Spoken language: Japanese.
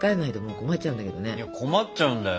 困っちゃうんだよ。